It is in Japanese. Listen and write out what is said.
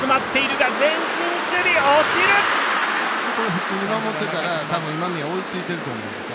普通に守ってたら追いついてたと思うんですよ。